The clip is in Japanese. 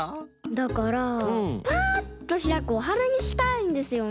だからパッとひらくおはなにしたいんですよね。